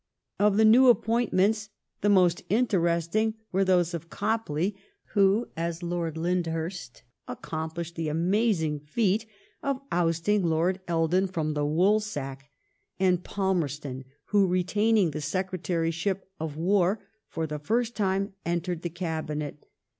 Of the new appointments the most interesting were those of Copley, who as Lord Lyndhurst accomplished the amazing feat of ousting Lord Eldon from the Woolsack, and Palmerston who, retaining the Secretaryship of War,^ for the fii'st time entered the Cabinet.